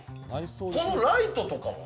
このライトとかは？